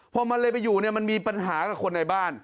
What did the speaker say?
พอมันเลยไปอยู่เนี่ยมันมีปัญหากับคนในบ้าน